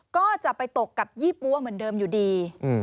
ก็จะไปตกกับยี่ปั๊วเหมือนเดิมอยู่ดี